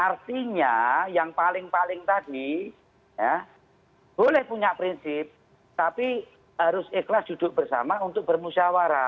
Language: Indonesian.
artinya yang paling paling tadi boleh punya prinsip tapi harus ikhlas duduk bersama untuk bermusyawara